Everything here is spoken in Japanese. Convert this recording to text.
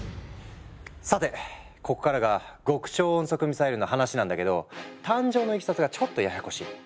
さてここからが極超音速ミサイルの話なんだけど誕生のいきさつがちょっとややこしい。